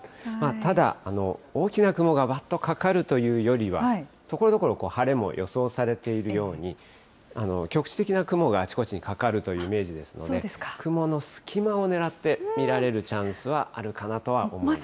ただ、大きな雲がわっとかかるというよりは、ところどころ、晴れも予想されているように、局地的な雲があちこちにかかるというイメージですので、雲の隙間をねらって、見られるチャンスはあるかなとは思います。